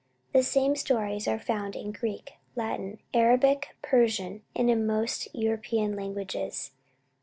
The same stories are found in Greek, Latin, Arabic, Persian, and in most European languages.